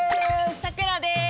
さくらです！